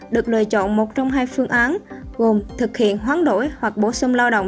được lựa chọn một trong hai phương án gồm thực hiện hoán đổi hoặc bổ sung lao động